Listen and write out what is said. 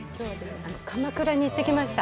鎌倉に行ってきました。